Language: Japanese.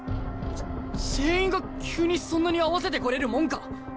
ぜ全員が急にそんなに合わせてこれるもんか？